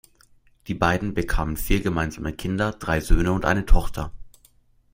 Die beiden bekamen vier gemeinsame Kinder, drei Söhne und eine Tochter.